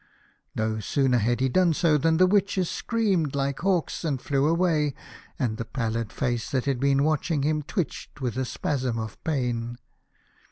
No sooner had he done so than the witches screamed like hawks and flew away, and the pallid face that had been watching him twitched with a spasm of pain.